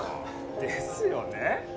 ですよね。